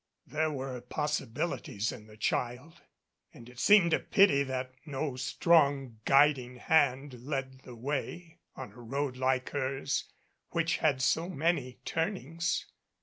There were possibilities in the child and it seemed a pity that no strong guiding hand led the way on a road like hers, which had so many turnings.